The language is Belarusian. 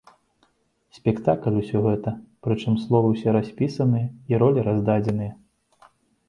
Спектакль усё гэта, прычым словы ўсе распісаныя і ролі раздадзеныя.